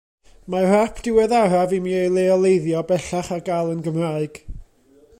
Mae'r ap diweddaraf i mi ei leoleiddio bellach ar gael yn Gymraeg.